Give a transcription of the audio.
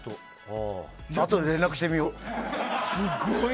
あとで連絡してみよう。